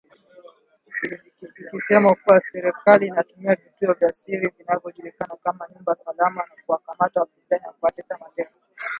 Ikisema kuwa serikali inatumia vituo vya siri vinavyojulikana kama nyumba salama kuwakamata wapinzani na kuwatesa mateka